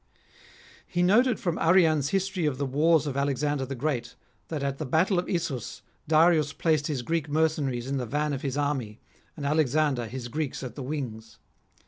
He noted from Arrian's History of the Wars of Alexander the Great, that at the battle of Issus, Darius placed his Greek mercenaries in the van of his army, and Alexander his Greeks at the wings.